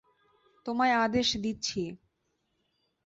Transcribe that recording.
তোমায় আদেশ দিচ্ছি!